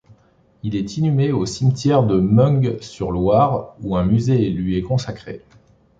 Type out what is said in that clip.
Il est inhumé au cimetière de Meung-sur-Loire où un musée lui est consacré.